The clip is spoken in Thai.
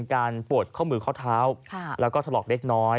การปวดข้อมือข้อเท้าแล้วก็ถลอกเล็กน้อย